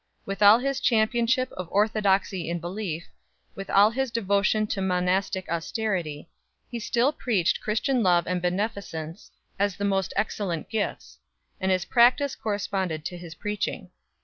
With all his championship of orthodoxy in belief, with all his devotion to monastic austerity, he still preached Christian love and beneficence as the most excellent gifts ; and his practice corresponded to his preaching.